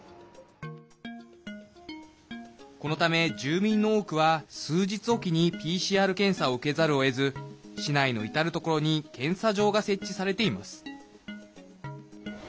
このため、住民の多くは数日おきにＰＣＲ検査を受けざるをえず市内の至る所に検査場が設置されています。